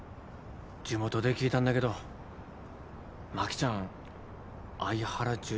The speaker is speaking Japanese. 地元で聞いだんだけど真紀ちゃん愛原樹里